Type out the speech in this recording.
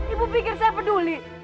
ibu pikir saya peduli